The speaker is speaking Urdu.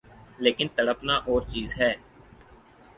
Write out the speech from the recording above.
لیکن تڑپنا اورچیز ہے۔